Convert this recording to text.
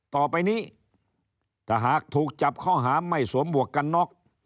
ต่อไปนี้ถ้าหากถูกจับข้อหาไม่สวมหวกกันน็อก